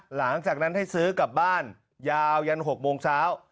หลังจากนั้นให้ซื้อกลับบ้านยาวยัน๖โมงเช้า